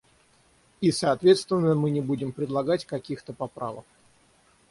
И соответственно мы не будем предлагать каких-то поправок.